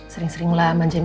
sering seringlah manjain andin